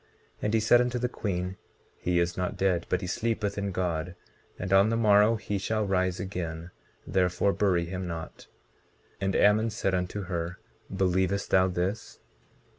19:8 And he said unto the queen: He is not dead, but he sleepeth in God, and on the morrow he shall rise again; therefore bury him not. 19:9 And Ammon said unto her: Believest thou this?